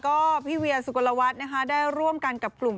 โอ้โฮเยอะสิคุณ